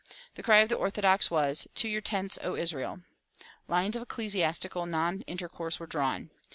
The cry of the Orthodox was "To your tents, O Israel!" Lines of ecclesiastical non intercourse were drawn.